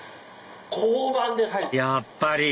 やっぱり！